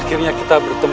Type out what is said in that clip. akhirnya kita bertemu